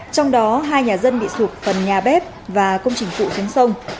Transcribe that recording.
trong đó hai nhà dân bị sụp phần nhà bếp và công trình phụ xuống sông